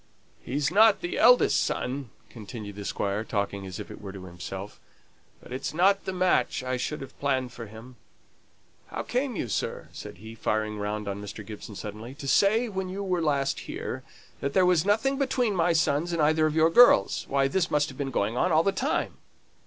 "He's not the eldest son," continued the Squire, talking as it were to himself. "But it's not the match I should have planned for him. How came you, sir," said he, firing round on Mr. Gibson, suddenly "to say when you were last here, that there was nothing between my sons and either of your girls? Why, this must have been going on all the time!"